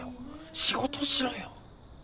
仕事しろよ！